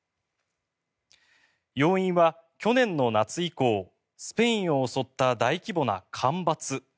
要因は去年の夏以降スペインを襲った大規模な干ばつ。